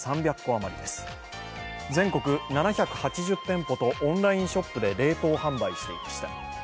あまりで全国７８０店舗とオンラインショップで冷凍販売していました。